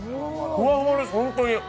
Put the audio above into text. ふわふわです、ホントに。